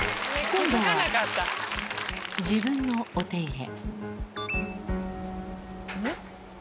今度は、自分のお手入れ。